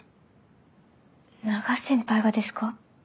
永瀬先輩がですか？